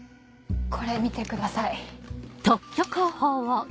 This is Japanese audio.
これ見てください。